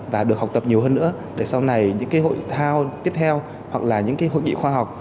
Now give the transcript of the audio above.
và được học tập nhiều hơn nữa để sau này những cái hội thao tiếp theo hoặc là những cái hội nghị khoa học